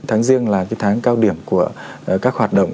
tháng riêng là tháng cao điểm của các hoạt động